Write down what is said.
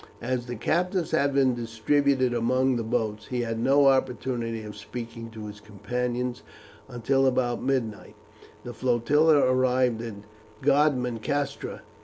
As the captives had been distributed among the boats, he had no opportunity of speaking to his companions until, about midnight, the flotilla arrived at Godmancastra.